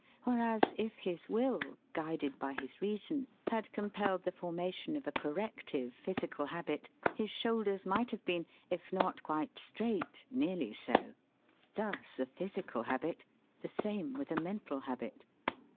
Whereas, if his will, guided by his reason, had compelled the formation of a corrective physical habit, his shoulders might have been, if not quite straight, nearly so. Thus a physical habit! The same with a mental habit.